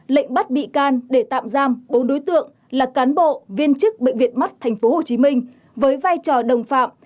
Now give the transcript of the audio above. lệnh bắt bị can để tạm giam bốn đối tượng là cán bộ viên chức bệnh viện mắt tp hcm với vai trò đồng phạm